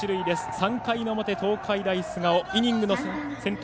３回の表、東海大菅生イニングの先頭